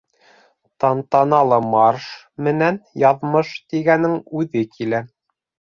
Тантаналы марш менән Яҙмыш тигәнең үҙе килә!